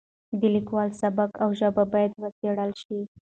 د لیکوالو سبک او ژبه باید وڅېړل شي.